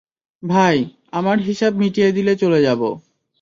ভাই, আমার হিসাব মিটিয়ে দিলে চলে যাবো।